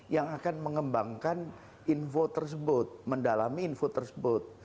yang akan mengembangkan info tersebut mendalami info tersebut